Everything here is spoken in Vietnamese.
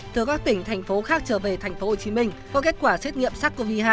từ các tỉnh thành phố khác trở về tp hcm có kết quả xét nghiệm sars cov hai